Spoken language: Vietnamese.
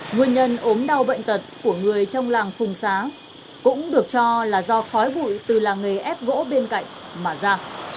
nguyên nhân ốm đau bệnh tật của người trong làng phùng xá cũng được cho là do khói bụi từ làng nghề ép gỗ bên cạnh mà ra